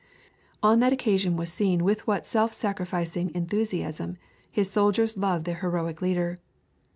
On that occasion was seen with what self sacrificing enthusiasm his soldiers loved their heroic leader.